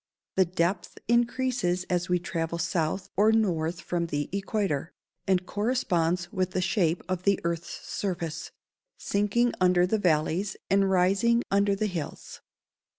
The depth increases as we travel south or north from the equator, and corresponds with the shape of the earth's surface, sinking under the valleys, and rising under the hills.